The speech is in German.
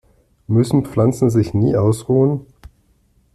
Müssen Pflanzen sich nie ausruhen?